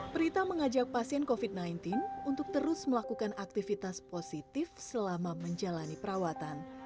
prita mengajak pasien covid sembilan belas untuk terus melakukan aktivitas positif selama menjalani perawatan